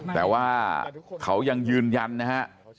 แต่ว่าเขายังยืนยันนะฮะ